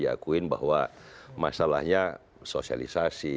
ini yang kita lakuin bahwa masalahnya sosialisasi